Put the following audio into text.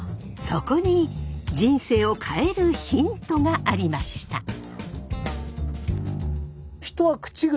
そこに人生を変えるヒントがありました。